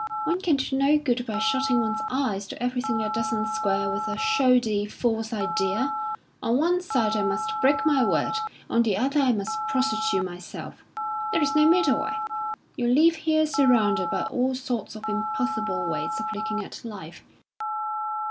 One can do no good by shutting one's eyes to everything that doesn't square with a shoddy, false ideal. On one side I must break my word, on the other I must prostitute myself. There is no middle way. You live here surrounded by all sorts of impossible ways of looking at life.